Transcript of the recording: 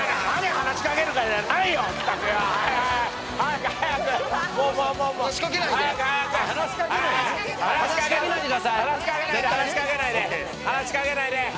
話し掛けないで。